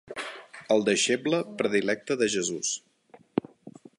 El deixeble predilecte de Jesús.